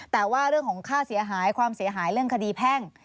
แต่ว่าเรื่องของค่าเสียหายความเสียหายเรื่องคดีแพ่ง